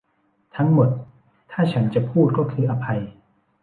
ทั้งหมดถ้าฉันจะพูดก็คืออภัย